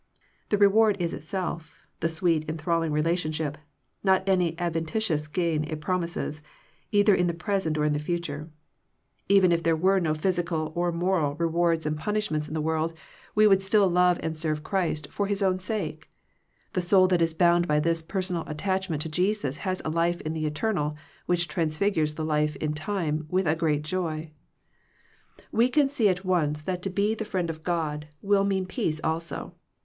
Its reward is itself, the sweet, enthralling relationship, not any adventitious gain it promises, either in the present, or for the future. Even if there were no physical, or moral, rewards 226 Digitized by VjOOQIC THE HIGHER FRIENDSHIP and punishments in the world, we would still love and serve Christ for His own sake. The soul that is bound by this personal attachment to Jesus has a life in the eternal, which transfigures the life in time with a great joy. We can see at once that to be the friend of God will mean peace also.